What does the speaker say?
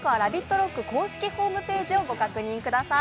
ＲＯＣＫ公式ホームページをご確認ください。